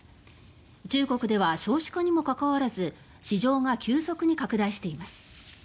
中国では少子化にもかかわらず市場が急速に拡大しています。